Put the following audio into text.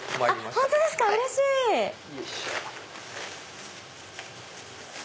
本当ですか⁉うれしい！よいしょ。